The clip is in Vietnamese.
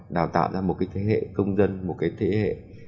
đào tạo ra một cái thế hệ công dân một cái thế hệ